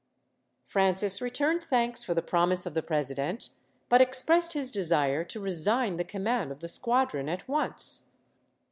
Francis returned thanks for the promise of the president, but expressed his desire to resign the command of the squadron at once.